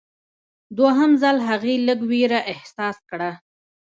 دوهم ځل هغې لږ ویره احساس کړه.